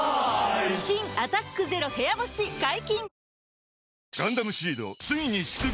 新「アタックＺＥＲＯ部屋干し」解禁‼